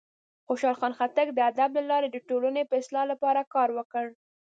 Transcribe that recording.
خوشحال خان خټک د ادب له لارې د ټولنې د اصلاح لپاره کار وکړ.